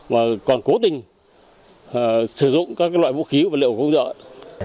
mà còn cố tình sử dụng các loại vũ khí vật liệu công cụ hỗ trợ